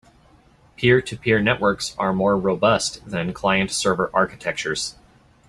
Peer-to-peer networks are more robust than client-server architectures.